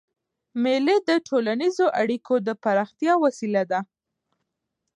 مېلې د ټولنیزو اړیکو د پراختیا وسیله ده.